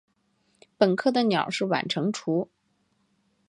本科的鸟是晚成雏。